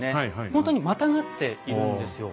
本当にまたがっているんですよ。